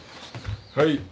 はい。